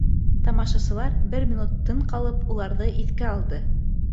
Тамашасылар, бер минут тын ҡалып, уларҙы иҫкә алды.